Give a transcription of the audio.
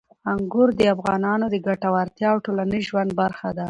انګور د افغانانو د ګټورتیا او ټولنیز ژوند برخه ده.